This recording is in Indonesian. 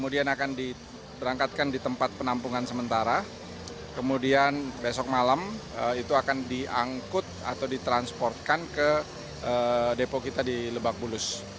depo kita di lebak bulus